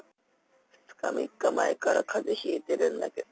２日、３日前からかぜひいてるんだけど。